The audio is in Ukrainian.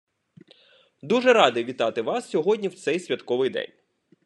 Дуже радий вітати вас сьогодні в цей святковий день.